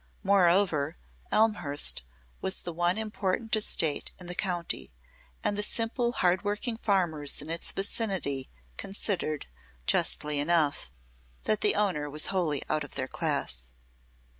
Moreover, Elmhurst was the one important estate in the county, and the simple, hard working farmers in its vicinity considered, justly enough, that the owner was wholly out of their class.